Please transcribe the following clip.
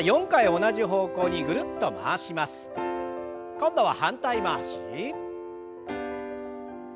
今度は反対回し。